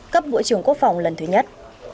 cấp bộ trưởng quốc phòng lần thứ nhất